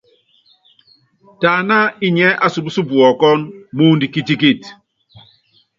Tɛ aná inyɛ́ asupúsɔp wɔɔkɔ́n, mɔɔndɔ kitikit.